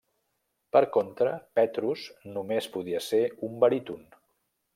Per contra, Petrus només podia ser un baríton.